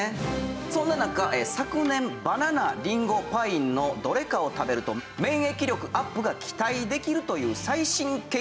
そんな中昨年バナナりんごパインのどれかを食べると免疫力アップが期待できるという最新研究が発表されたんです。